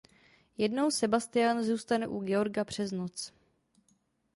Jednou Sebastian zůstane u Georga přes noc.